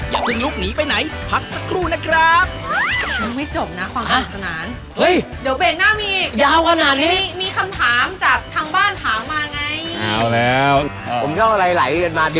ได้เลยครับแล้วกลับมารู้กันในเด็กหน้ากลับกันรายการ